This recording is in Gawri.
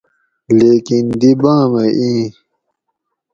لیکن دی بامہ ایں